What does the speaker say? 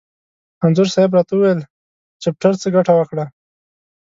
انځور صاحب را ته وویل: چپټر څه ګټه وکړه؟